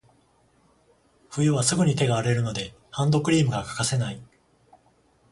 冬はすぐに手が荒れるので、ハンドクリームが欠かせない。